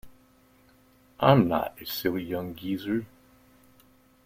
I'm not a silly young geezer.